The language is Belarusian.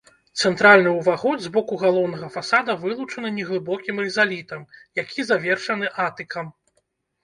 Цэнтральны ўваход з боку галоўнага фасада вылучаны неглыбокім рызалітам, які завершаны атыкам.